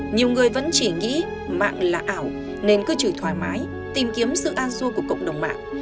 nhiều người vẫn chỉ nghĩ mạng là ảo nên cứ chỉ thoải mái tìm kiếm sự an xua của cộng đồng mạng